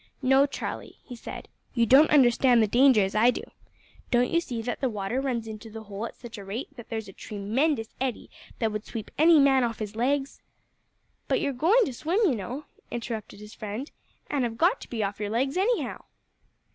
"No, Charlie," he said, "you don't understand the danger as I do. Don't you see that the water runs into the hole at such a rate that there's a tree mendous eddy that would sweep any man off his legs " "But you're goin' to swim, you know," interrupted his friend, "an' have got to be off your legs anyhow!"